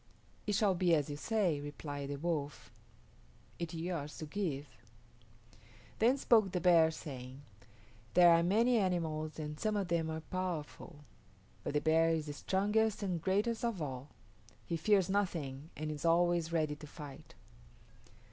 "It shall be as you say," replied the Wolf. "It is yours to give." Then spoke the Bear, saying, "There are many animals and some of them are powerful; but the bear is the strongest and greatest of all. He fears nothing and is always ready to fight."